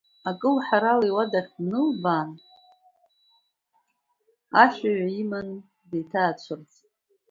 Акылҳарала иуадахь длалбаан, ашәаҩа иманы, деиҭаацәырҵит.